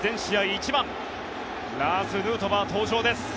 １番ラーズ・ヌートバー、登場です。